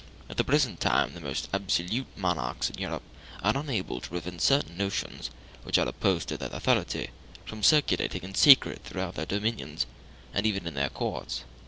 At the present time the most absolute monarchs in Europe are unable to prevent certain notions, which are opposed to their authority, from circulating in secret throughout their dominions, and even in their courts.